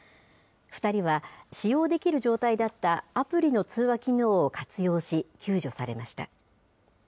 ２人は、使用できる状態だったアプリの通話機能を活用し、救助されました。